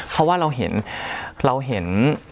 เพราะว่าเราเห็น